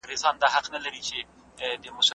شعر د متفکر انسان عواطف منعکس کوي.